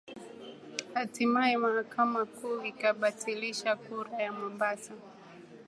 hatimaye mahakama kuu ikabatilisha kura ya Mombasa